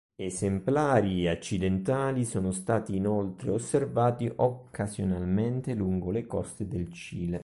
Esemplari accidentali sono stati inoltre osservati occasionalmente lungo le coste del Cile.